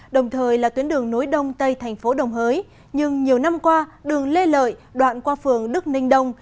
đồng thời là tuyến đường nối đông tây thành phố đồng hới nhưng nhiều năm qua đường lê lợi đoạn qua phường đức ninh đông